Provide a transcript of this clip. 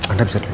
anda bisa keluar